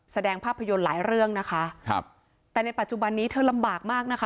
ภาพยนตร์หลายเรื่องนะคะครับแต่ในปัจจุบันนี้เธอลำบากมากนะคะ